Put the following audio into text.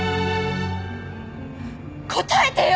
答えてよ！